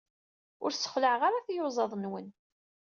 Ur sexlaɛeɣ ara tiyuzaḍ-nwen.